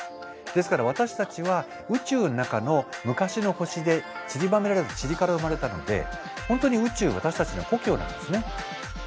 ですから私たちは宇宙の中の昔の星でちりばめられたちりから生まれたので本当に宇宙私たちの故郷なんですね。